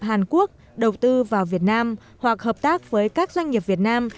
hàn quốc đầu tư vào việt nam hoặc hợp tác với các doanh nghiệp việt nam